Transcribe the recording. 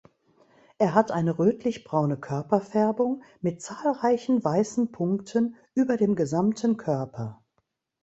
Er hat eine rötlich-braune Körperfärbung mit zahlreichen weißen Punkten über dem gesamten Körper.